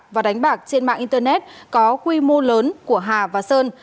và đánh bạc trên mạng internet có quy mô lớn của hà và sơn